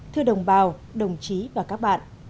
thưa đồng bào đồng chí và các bạn